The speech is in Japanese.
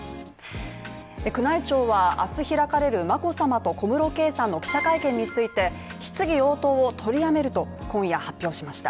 宮内庁は明日開かれる眞子さまと小室圭さんの記者会見について質疑応答を取りやめると今夜発表しました。